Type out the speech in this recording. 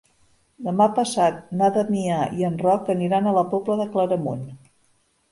Demà passat na Damià i en Roc aniran a la Pobla de Claramunt.